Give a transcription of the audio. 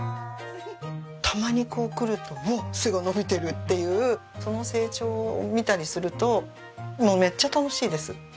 たまに来ると「おっ！背が伸びてる」っていうその成長を見たりするともうめっちゃ楽しいです。